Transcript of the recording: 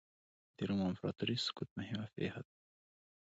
د روم د امپراتورۍ سقوط مهمه پېښه ده.